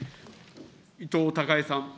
伊藤孝恵さん。